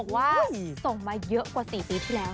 ส่งมาเยอะกว่า๔ปีที่แล้ว